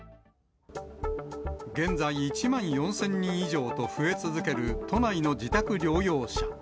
現在、１万４０００人以上と増え続ける、都内の自宅療養者。